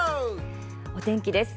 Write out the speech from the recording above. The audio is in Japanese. お天気です。